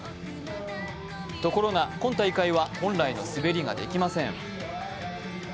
ところが、今大会は本来の滑りができません。